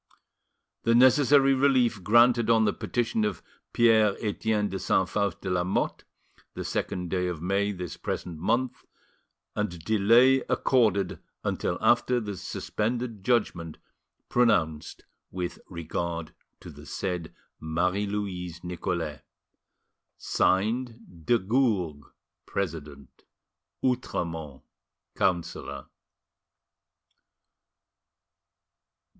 The necessary relief granted on the petition of Pierre Etienne de Saint Faust de Lamotte, the second day of May this present month, and delay accorded until after the suspended judgment pronounced with regard to the said Marie Louise Nicolais. "(Signed) De Gourgues, President. "OUTREMONT, Councillor."